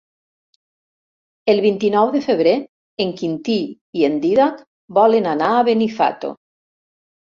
El vint-i-nou de febrer en Quintí i en Dídac volen anar a Benifato.